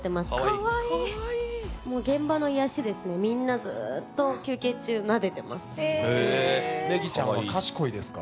かわいい現場の癒しですねみんなずっと休憩中なでてますへえネギちゃんは賢いですか？